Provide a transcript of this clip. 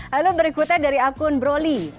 lalu berikutnya dari akun broli